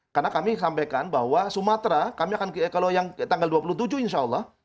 karena kami sampaikan bahwa sumatera kalau yang tanggal dua puluh tujuh insya allah